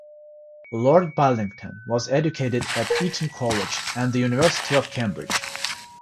Lord Burlington was educated at Eton College and the University of Cambridge.